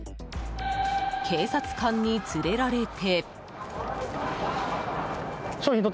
警察官に連れられて。